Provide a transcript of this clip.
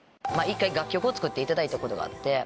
一回楽曲を作っていただいたことがあって。